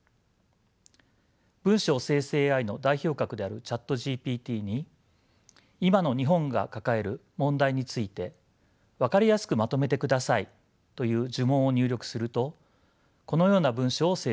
文章生成ＡＩの代表格であるＣｈａｔＧＰＴに「今の日本が抱える問題についてわかりやすくまとめてください」という呪文を入力するとこのような文章を生成します。